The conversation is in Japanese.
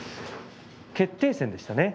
決定戦でしたね。